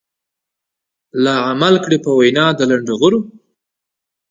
لا عمل کړي په وينا د لنډغرو.